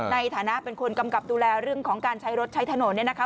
ในฐานะเป็นคนกำกับดูแลเรื่องของการใช้รถใช้ถนนเนี่ยนะคะ